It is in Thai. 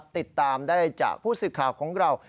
ติดตามได้จากผู้สื่อข่าวของเรา